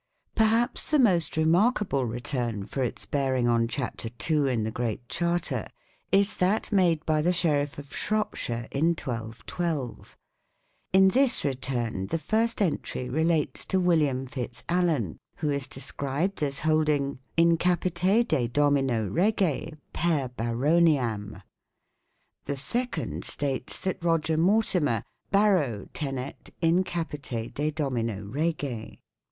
Perhaps the most remarkable return for its bearing on chapter 2 in the Great Charter, is that made by the Sheriff of Shropshire in I2I2. 2 In this return the first entry relates to William Fitz Alan, who is de scribed as holding " in capite de domino Rege per baroniam". The second states that Roger Mortimer " baro tenet in capite de domino Rege ".